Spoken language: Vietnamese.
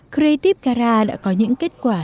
creative dara đã có những kết quả